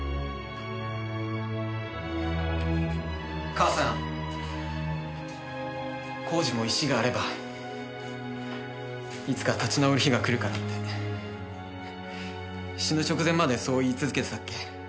母さん耕治も石があればいつか立ち直る日が来るからって死ぬ直前までそう言い続けてたっけ。